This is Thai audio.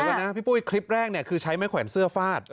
เดี๋ยวก่อนนะพี่ปุ๊บคลิปแรกคือใช้ไม้ขวัญเสื้อฟาด